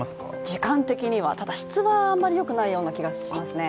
時間的には、ただ質はあまりよくないような気がしますね。